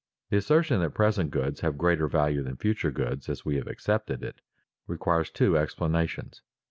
The assertion that present goods have greater value than future goods, as we have accepted it, requires two explanations.